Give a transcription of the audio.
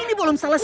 ini belum selesai